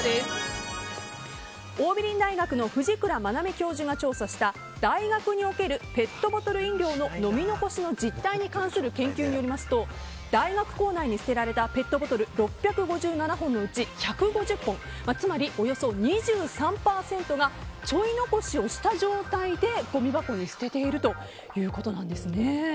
桜美林大学の藤倉まなみ教授が調査した大学におけるペットボトル飲料の飲み残しの実態に関する研究によりますと大学構内に捨てられたペットボトル６５７本のうち１５０本、つまりおよそ２３％がちょい残しをした状態でごみ箱に捨てているということなんです。